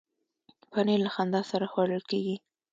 پنېر له خندا سره خوړل کېږي.